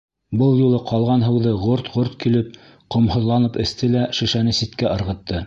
Был юлы ҡалған һыуҙы ғорт-ғорт килеп ҡомһоҙланып эсте лә шешәне ситкә ырғытты.